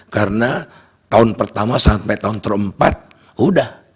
karena tahun pertama sampai tahun terempat udah